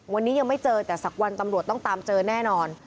วันนี้ยังไม่เจอแต่สักวันตำรวจต้องตามเจอแน่นอน